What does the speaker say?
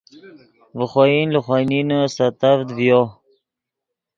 ڤے خوئن لے خوئے نینے سیتڤد ڤیو